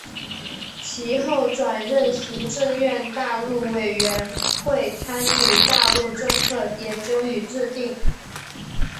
其后转任行政院大陆委员会参与大陆政策研究与制定。